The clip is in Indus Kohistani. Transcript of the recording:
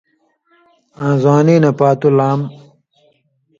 آں زوانی نہ پاتُو لام۔